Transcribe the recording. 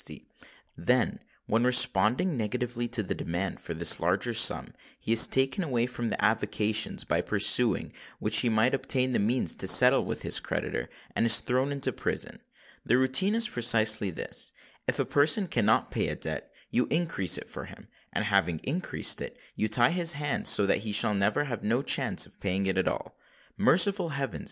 _: then, when responding negatively to the demand for this larger sum, he is taken away from the avocations by pursuing which he might obtain the means to settle with his creditor, and is thrown into prison. The routine is precisely this:—If a person cannot pay a debt, you increase it for him: and, having increased it, you tie his hands so that he shall have no chance of paying it at all! Merciful heavens!